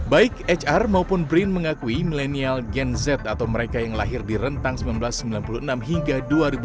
baik hr maupun brin mengakui milenial gen z atau mereka yang lahir di rentang seribu sembilan ratus sembilan puluh enam hingga dua ribu dua